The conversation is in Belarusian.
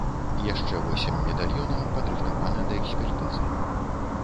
Яшчэ восем медальёнаў падрыхтавана да экспертызы.